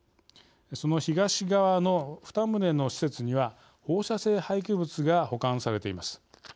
その東側の２棟の施設には放射性廃棄物が保管されています。